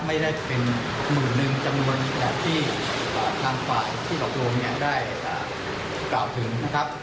ก็จะเวลาเป็นหมื่นนึงจำนวนแบบด้านฝ่ายต้อกรวมได้ก้าวถึงนะครับ